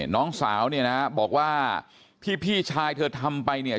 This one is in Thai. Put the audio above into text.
น้องสาวเนี่ยนะบอกว่าที่พี่ชายเธอทำไปเนี่ย